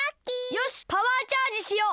よしパワーチャージしよう。